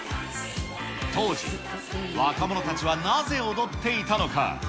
当時、若者たちはなぜ踊っていたのか。